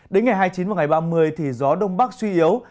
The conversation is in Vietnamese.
đến ngày hai mươi chín và ngày ba mươi thì gió đông bắc suy yếu